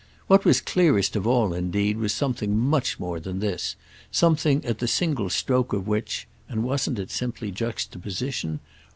What was clearest of all indeed was something much more than this, something at the single stroke of which—and wasn't it simply juxtaposition?